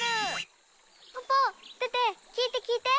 ポポテテ聞いて聞いて。